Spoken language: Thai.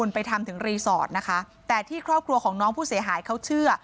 ไปทำถึงรีสอร์ทนะคะแต่ที่ครอบครัวของน้องผู้เสียหายเขาเชื่อ